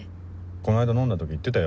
この間飲んだ時言ってたよ